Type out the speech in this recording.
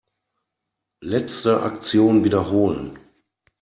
Letzte Aktion wiederholen.